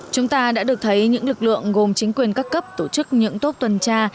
chúng ta đã được thấy những lực lượng gồm chính quyền các cấp tổ chức những tốt tuần tra